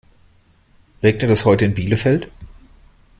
Regnet es heute in Bielefeld?